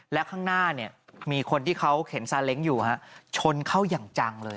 และข้างหน้าเนี่ยมีคนที่เขาเข็นซาเล้งอยู่ชนเข้าอย่างจังเลย